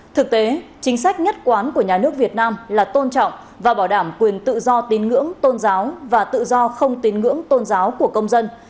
thực tế chính sách nhất quán của nhà nước việt nam là tôn trọng và bảo đảm quyền tự do tín ngưỡng tôn giáo và tự do không tín ngưỡng tôn giáo của công dân